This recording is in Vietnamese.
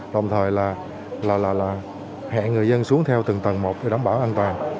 đồng thời là hẹn người dân xuống theo từng tầng một để đảm bảo an toàn